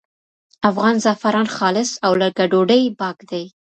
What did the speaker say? افغان زعفران خالص او له ګډوډۍ پاک دي.